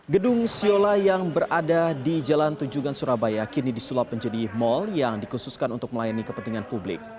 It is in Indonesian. gedung siola yang berada di jalan tunjungan surabaya kini disulap menjadi mal yang dikhususkan untuk melayani kepentingan publik